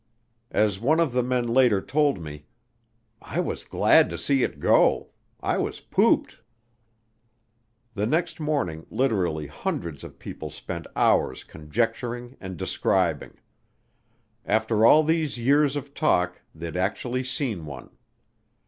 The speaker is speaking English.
As one of the men later told me, "I was glad to see it go; I was pooped." The next morning literally hundreds of people spent hours conjecturing and describing. After all these years of talk they'd actually seen one.